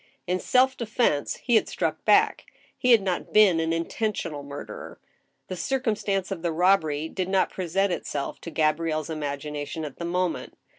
In self defense he had struck back ; he had not been an intentional murderer. The circumstance of the robbery did not present itself to Ga brielle's imagination at the moment.